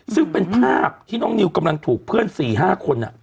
ซึ่งเป็นภาพที่น้องนิวกำลังถูกเพื่อน๔๕คน